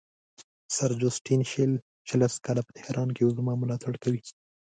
سر جوسټین شیل چې لس کاله په تهران کې وو زما ملاتړ کوي.